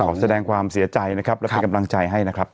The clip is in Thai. แสดงความเสียใจนะครับและเป็นกำลังใจให้นะครับ